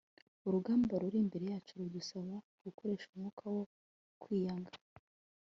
urugamba ruri imbere yacu rudusaba gukoresha umwuka wo kwiyanga